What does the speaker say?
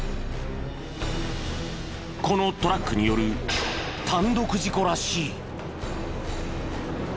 このトラックによる単独事故らしい。